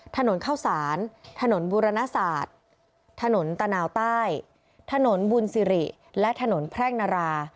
ถนนเข้าสารถนนบุรณศาสตร์ถนนตะนาวใต้ถนนบุญสิริและถนนแพร่งนารา